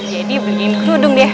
jadi beliin kerudung deh